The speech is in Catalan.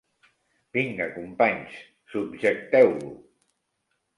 Vinga, companys, subjecteu-lo!